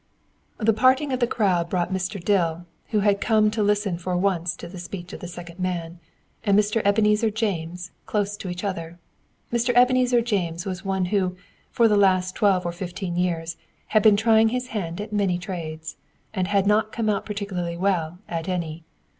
The parting of the crowd brought Mr. Dill, who had come to listen for once to the speech of the second man, and Mr. Ebenezer James close to each other. Mr. Ebenezer James was one who, for the last twelve or fifteen years, had been trying his hand at many trades. And had not come out particularly well at any.